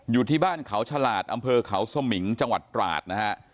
อยู่ที่บ้านเขาฉลาดอำเภอเขาสมิงจังหวัดตราดนะฮะ